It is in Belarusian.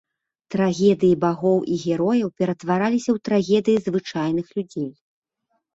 Трагедыі багоў і герояў ператвараліся ў трагедыі звычайных людзей.